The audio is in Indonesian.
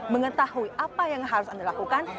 mengetahui apa yang harus anda lakukan